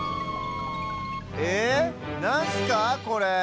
えっなんスかこれ？